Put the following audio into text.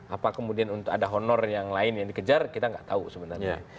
apa kemudian untuk ada honor yang lain yang dikejar kita nggak tahu sebenarnya